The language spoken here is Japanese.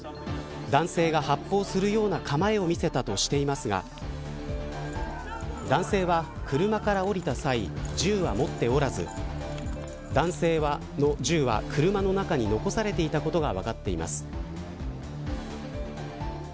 男性が発砲するような構えを見せたとしていますが男性は、車から降りた際銃は持っておらず男性の銃は車の中に残されていたことが分かっています。